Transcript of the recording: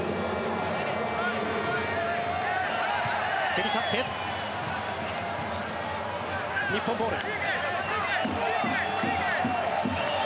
競り勝って日本ボール。